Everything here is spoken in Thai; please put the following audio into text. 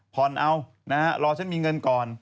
ผ่อนเอานะฮะรอฉันมีเงินก่อน